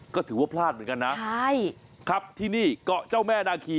ก็ถือว่าพลาดเหมือนกันนะใช่ครับที่นี่เกาะเจ้าแม่นาคี